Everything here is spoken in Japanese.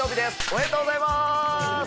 おめでとうございます。